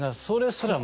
そうです。